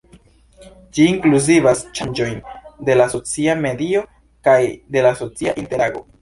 Ĝi inkluzivas ŝanĝojn de la socia medio kaj de la socia interago.